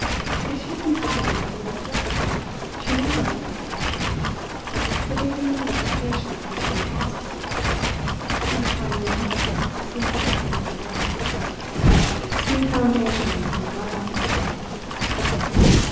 If she had been happy when they first met she never would have looked at him—but they had been like two patients in the same hospital ward—each finding comfort in the sickness of the other—sweet foundation for a love episode!